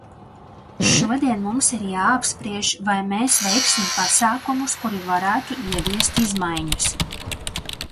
Šodien mums ir jāapspriež, vai mēs veiksim pasākumus, kuri varētu ieviest izmaiņas.